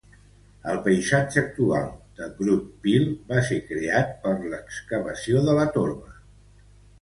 El paisatge actual de Groote Peel va ser creat per l'excavació de la torba.